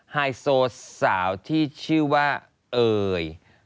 ไฮโซสาวที่ชื่อว่าเอ่ย